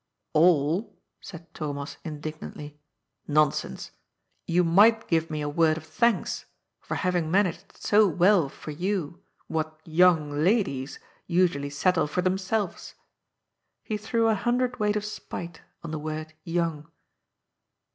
"All?" said Thomas indignantly. "Nonsense. You might give me a word of thanks for having managed so well BLANK. 163 for you what yonng ladies nsnally settle for themselves.'* He threw a hundredweight of spite on the word " young.'